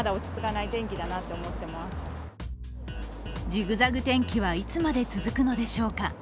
ジグザグ天気はいつまで続くのでしょうか。